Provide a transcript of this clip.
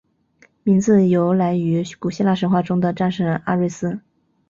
名字由来于古希腊神话中的战神阿瑞斯。